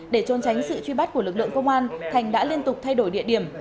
để trôn tránh sự truy bắt của lực lượng công an thành đã liên tục thay đổi địa điểm